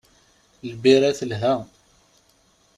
Lbira telha.